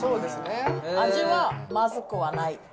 味はまずくはない。